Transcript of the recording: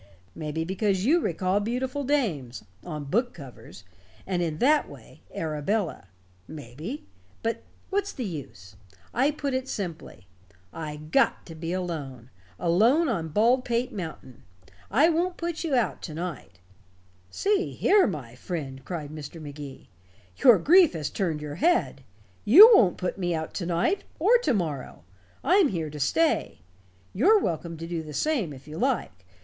Maybe because you recall beautiful dames on book covers and in that way, Arabella. Maybe but what's the use? I put it simply. I got to be alone alone on Baldpate Mountain. I won't put you out to night " "See here, my friend," cried Mr. Magee, "your grief has turned your head. You won't put me out to night, or to morrow. I'm here to stay. You're welcome to do the same, if you like.